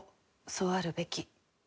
そうあるべき。